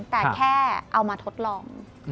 แต่แค่เอามาทดลอง